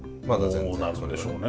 どうなるんでしょうね